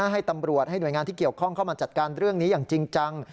ให้ตำรวจให้หน่วยงานที่เกี่ยวข้องเข้ามาจัดการเรื่องนี้อย่างจริงจัง